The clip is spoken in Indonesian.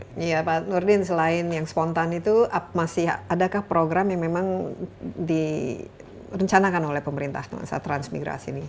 iya pak nurdin selain yang spontan itu masih adakah program yang memang direncanakan oleh pemerintah transmigrasi ini